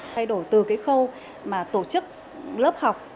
thay đổi từ cái khâu mà tổ chức lớp học